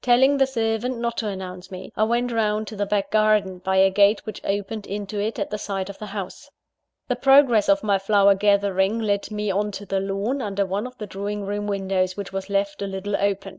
Telling the servant not to announce me, I went round to the back garden, by a gate which opened into it at the side of the house. The progress of my flower gathering led me on to the lawn under one of the drawing room windows, which was left a little open.